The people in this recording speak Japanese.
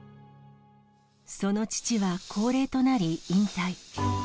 その父は高齢となり引退。